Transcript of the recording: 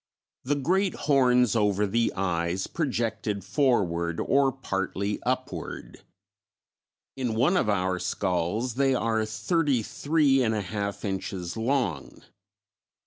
The great horns over the eyes projected forward or partly upward; in one of our skulls they are 33 1/2 inches long.